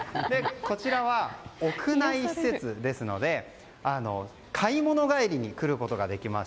こちらは屋内施設ですので買物帰りに来ることができます